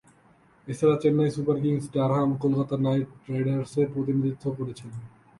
এছাড়াও, Chennai super kings, Durham, Kolkata knight রাইডার্সের প্রতিনিধিত্ব করেছেন।